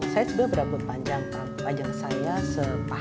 saya sudah berapa panjang panjang saya sepahak